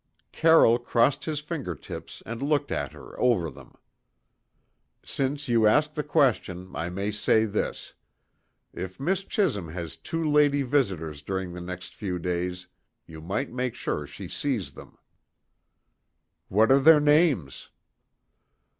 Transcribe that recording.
Carroll crossed his finger tips and looked at her over them. "Since you ask the question, I may say this: If Miss Chisholm has two lady visitors during the next few days, you might make sure she sees them." "What are their names?"